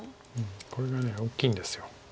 これが大きいんです。